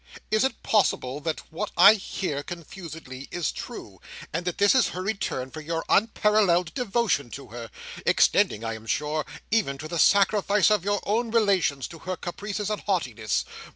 Is it possible that what I hear confusedly, is true, and that this is her return for your unparalleled devotion to her; extending, I am sure, even to the sacrifice of your own relations, to her caprices and haughtiness?